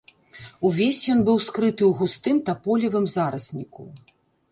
Увесь ён быў скрыты ў густым таполевым зарасніку.